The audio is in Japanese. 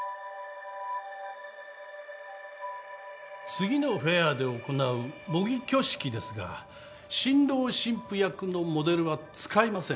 次のフェアで行う模擬挙式ですが新郎新婦役のモデルは使いません。